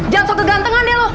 jangan sok kegantengan deh lo